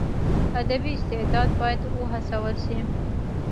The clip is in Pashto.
ادبي استعداد باید وهڅول سي.